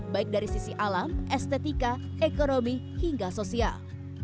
baik dari sisi alam estetika ekonomi hingga sosial